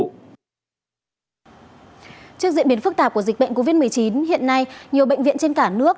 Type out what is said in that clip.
trước diễn biến phức tạp của dịch bệnh covid một mươi chín hiện nay nhiều bệnh viện trên cả nước